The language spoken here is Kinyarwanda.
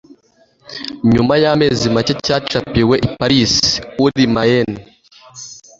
Nyuma y'amezi make cyacapiwe i Paris uri Maine